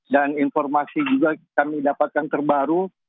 dan informasi juga kami dapatkan terbaru